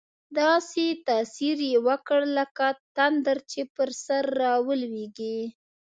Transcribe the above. داسې تاثیر یې وکړ، لکه تندر چې پر سر راولوېږي.